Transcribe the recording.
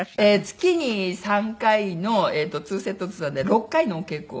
月に３回の２セットずつなので６回のお稽古を。